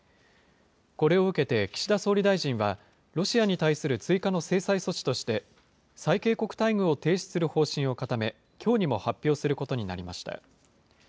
これを受けて岸田総理大臣は、ロシアに対する追加の制裁措置として、最恵国待遇を停止する方針を固め、きょうにも発表することになりました。